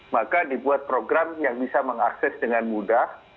maka dibuat program yang bisa mengakses dengan mudah